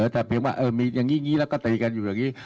แต่เปลี่ยนว่ามีอย่างนี้แล้วก็ตรีกันอยู่อย่างนี้